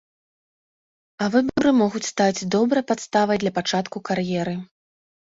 А выбары могуць стаць добрай падставай для пачатку кар'еры.